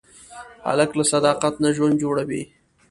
هلک له صداقت نه ژوند جوړوي.